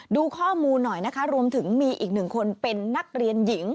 ดูข้อมูลหน่อยนะคะรวมถึงมีอีกหนึ่งคนเป็นนักเรียนหญิง